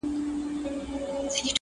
o بلا وه، برکت ئې نه و!